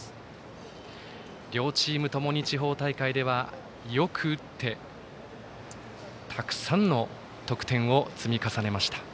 両チームともに地方大会ではよく打ってたくさんの得点を積み重ねました。